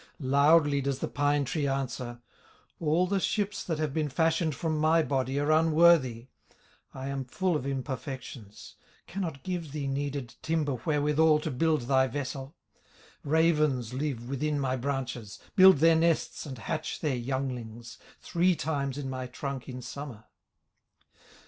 Loudly does the pine tree answer: "All the ships that have been fashioned From my body are unworthy; I am full of imperfections, Cannot give thee needed timber Wherewithal to build thy vessel; Ravens live within my branches, Build their nests and hatch their younglings, Three times in my trunk in summer."